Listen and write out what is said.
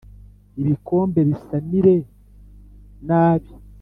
Ibikombe bisamire nabi